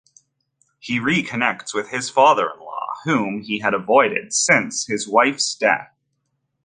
He reconnects with his father-in-law, whom he had avoided since his wife's death.